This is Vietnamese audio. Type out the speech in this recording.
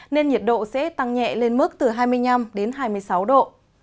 nên nhiệt độ sẽ tăng nhẹ lên mức từ hai mươi năm đến hai mươi sáu độ